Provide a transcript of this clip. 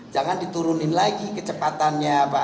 jangan diturunin lagi kecepatannya pak